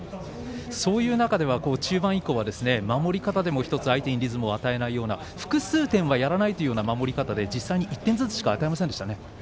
そういう中では中盤以降は守り方でも１つ相手にリズムを与えないような複数点はやらないという守り方で実際に１点ずつしか与えませんでしたね。